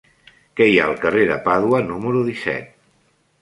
Què hi ha al carrer de Pàdua número disset?